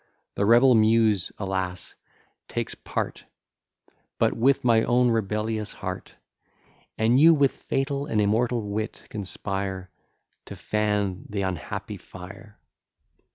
The rebel Muse, alas! takes part, But with my own rebellious heart, And you with fatal and immortal wit conspire To fan th'unhappy fire.